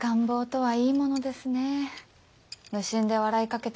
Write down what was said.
はい。